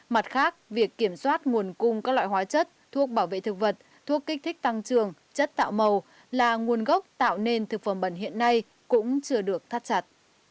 mặt khác việc kiểm soát nguồn cung các loại hóa chất thuốc bảo vệ thực vật thuốc kích thích tăng trường chất tạo màu là nguồn gốc tạo nên thực phẩm bẩn hiện nay cũng chưa được thắt chặt